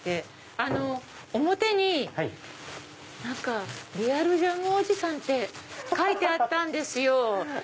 あの表にリアルジャムおじさんって書いてあったんですよ。